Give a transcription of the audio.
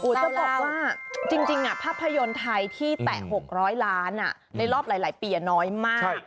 จะบอกว่าจริงภาพยนตร์ไทยที่แตะ๖๐๐ล้านในรอบหลายปีน้อยมาก